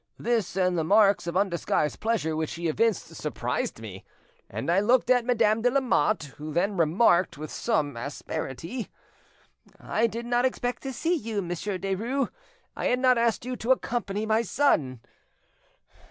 This and the marks of undisguised pleasure which he evinced surprised me, and I looked at Madame de Lamotte, who then remarked with some asperity— "'I did not expect to see you, Monsieur Derues. I had not asked you to accompany my son.